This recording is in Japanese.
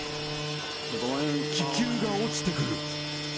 気球が落ちてくる。